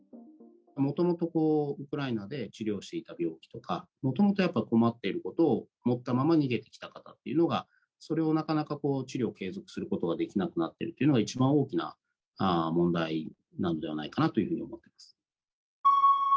もともとこう、ウクライナで治療していた病気とか、もともと、やっぱ困っていることを持ったまま逃げてきた方というのが、それをなかなか治療を継続することができなくなっているというのが、一番大きな問題なんではないかなというふうに思っています。